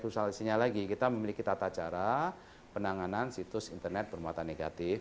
nah ini juga ada regulasinya lagi kita memiliki tata cara penanganan situs internet bermuatan negatif